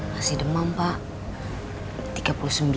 masih demam pak